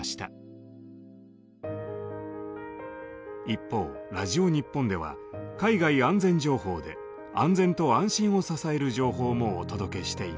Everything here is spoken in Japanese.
一方「ラジオ日本」では「海外安全情報」で安全と安心を支える情報もお届けしています。